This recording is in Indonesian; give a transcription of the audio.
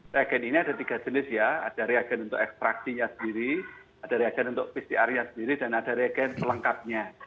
reagen ini ada tiga jenis ya ada reagen untuk ekstraksinya sendiri ada reagen untuk pcr nya sendiri dan ada reagen pelengkapnya